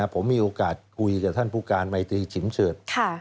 ผมมีโอกาสคุยกับท่านผู้การไมตรีฉิมเฉิด